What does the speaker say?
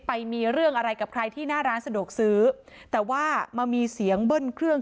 ไปมีเรื่องอะไรกับใครที่หน้าร้านสะดวกซื้อแต่ว่ามันมีเสียงเบิ้ลเครื่อง